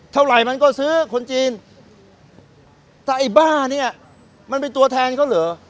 เท่าไหร่มันก็ซื้อคนจีนแต่ไอ้บ้าเนี่ยมันเป็นตัวแทนเขาเหรอ